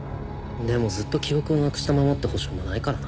でもずっと記憶をなくしたままって保証もないからな。